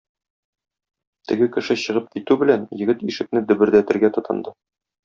Теге кеше чыгып китү белән егет ишекне дөбердәтергә тотынды.